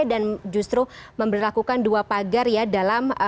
dan justru memperlakukan dua pagar ya dalam